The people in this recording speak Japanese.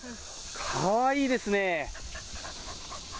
かわいいですね。